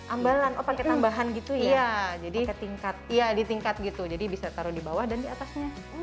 ambalan oh pakai tambahan gitu iya jadi ke tingkat ya di tingkat gitu jadi bisa taruh di bawah dan di atasnya